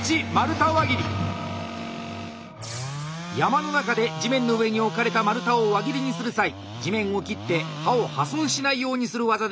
山の中で地面の上に置かれた丸太を輪切りにする際地面を切って刃を破損しないようにする技であります。